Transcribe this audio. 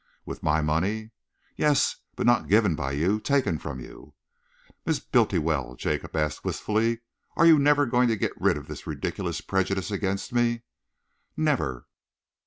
"With my money?" "Yes, but not given by you. Taken from you!" "Miss Bultiwell," Jacob asked wistfully, "are you never going to get rid of this ridiculous prejudice against me?" "Never!"